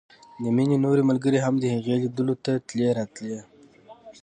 د مينې نورې ملګرې هم د هغې ليدلو ته تلې راتلې